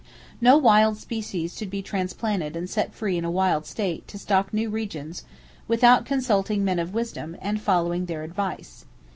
No wild species should be transplanted and set free in a wild state to stock new regions without consulting men of wisdom, and following their advice.